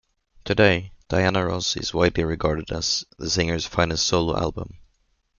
Today, "Diana Ross" is widely regarded as the singer's finest solo album.